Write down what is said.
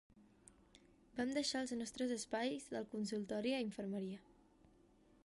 Vam deixar els nostres espais del consultori a infermeria.